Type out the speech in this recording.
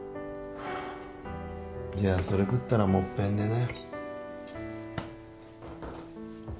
はあじゃあそれ食ったらもっぺん寝なよ